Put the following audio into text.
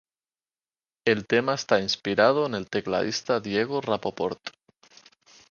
El tema está inspirado en el tecladista Diego Rapoport.